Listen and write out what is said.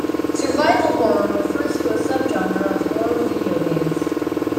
Survival horror refers to a subgenre of horror video games.